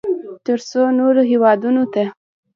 ترڅو نورو هېوادونو ته